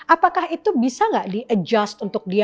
apakah itu bisa nggak di adjust untuk dia